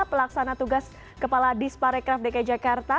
pelaksana tugas kepala disparekraf dki jakarta